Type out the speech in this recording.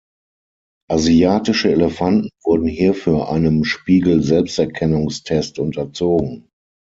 Asiatische Elefanten wurden hierfür einem Spiegel-Selbsterkennungstest unterzogen.